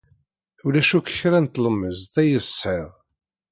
Ulac akk kra n tlemmiẓt ay tesɛid.